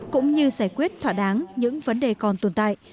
cũng như giải quyết thỏa đáng những vấn đề còn tồn tại